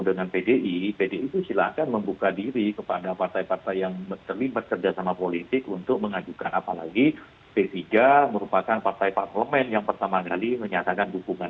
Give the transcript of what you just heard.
dengan pdi pdi itu silahkan membuka diri kepada partai partai yang terlibat kerjasama politik untuk mengajukan apalagi p tiga merupakan partai parlemen yang pertama kali menyatakan dukungan